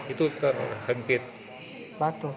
itu terhimpit batu